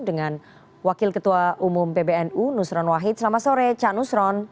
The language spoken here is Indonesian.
dengan wakil ketua umum pbnu nusron wahid selamat sore cak nusron